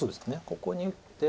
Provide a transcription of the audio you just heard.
ここに打って。